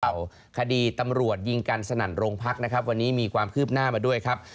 ข่าวคดีตำรวจยิงกันสนั่นโรงพักนะครับวันนี้มีความคืบหน้ามาด้วยครับ